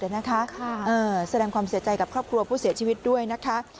แสดงความเสียใจกับครอบครัวผู้เสียชีวิตด้วยนะคะ